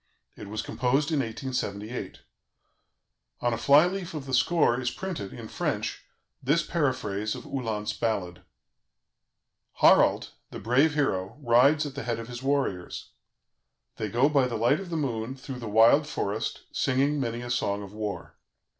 It was composed in 1878. On a fly leaf of the score is printed, in French, this paraphrase of Uhland's ballad: "Harald, the brave hero, rides at the head of his warriors. They go by the light of the moon through the wild forest, singing many a song of war.